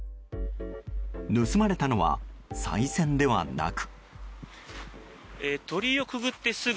盗まれたのはさい銭ではなく。